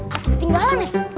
aku ketinggalan ya